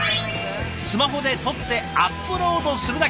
スマホで撮ってアップロードするだけ。